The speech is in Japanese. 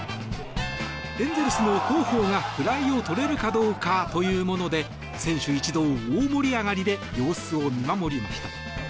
エンゼルスの広報がフライをとれるかどうかというもので選手一同大盛り上がりで様子を見守りました。